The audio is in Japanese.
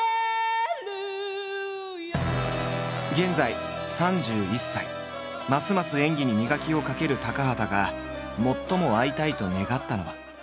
現在３１歳ますます演技に磨きをかける高畑が最も会いたいと願ったのは。